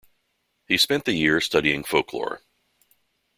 He spent the year studying folklore.